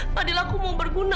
fadil aku mau berguna